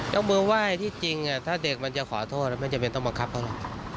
มือไหว้ที่จริงถ้าเด็กมันจะขอโทษไม่จำเป็นต้องบังคับเขาหรอก